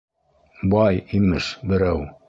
Бай, имеш, берәү.